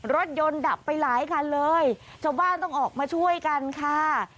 รถยนต์ดับไปหลายคันเลยชาวบ้านต้องออกมาช่วยกันค่ะ